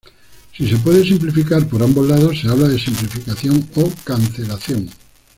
Si se puede simplificar por ambos lados se habla de "simplificación" o "cancelación".